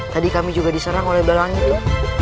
tadi kami juga diserang oleh balang itu